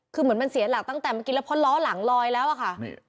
คือเหมือนมันเสียหลักตั้งแต่เมื่อกี้แล้วเพราะล้อหลังลอยแล้วอะค่ะ